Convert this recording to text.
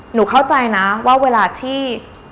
หนูเข้าใจนะว่าเวลาที่